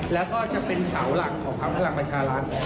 แล้วก็จะเป็นเสาหลักของพักพลังประชารัฐ